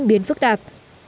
điện biến phức tạp